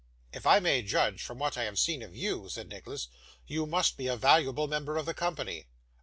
'If I may judge from what I have seen of you,' said Nicholas, 'you must be a valuable member of the company.